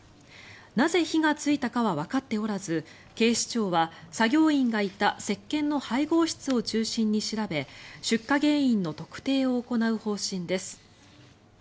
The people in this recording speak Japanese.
なぜ火がついたかはわかっておらず警視庁は作業員がいたせっけんの配合室を中心に調べ出火原因の特定を行う方針です。